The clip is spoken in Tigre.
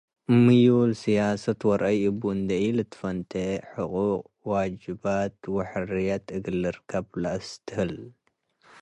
ምዩል ስያሰት ወረአይ እቡ እንዴ ኢልትፈንቴ ሕቁቅ፡ ዋጅባት ወሕርየት እግል ልርከብ ለአስትህል።